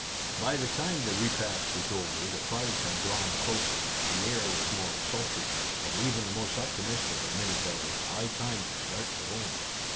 By the time the repast was over, the clouds had drawn closer, the air was more sultry, and even the most optimistic admitted that it was high time to start for home.